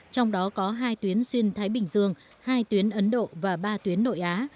trong đó có hai tuyến xuyên thái bình dương hai tuyến ấn độ và ba tuyến nội á